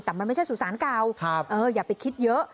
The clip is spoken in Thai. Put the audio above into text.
แต่มันไม่ใช่สุสานเก่าอย่าไปคิดเยอะ